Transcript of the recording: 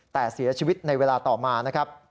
แต่เสียชีวิตในเวลาต่อมานะครับ